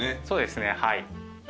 そうですねはい。